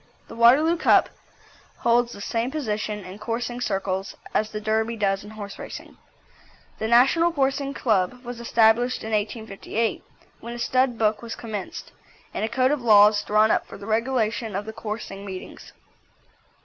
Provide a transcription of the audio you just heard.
The Waterloo Cup holds the same position in coursing circles as the Derby does in horse racing. The National Coursing Club was established in 1858, when a stud book was commenced, and a code of laws drawn up for the regulation of coursing meetings.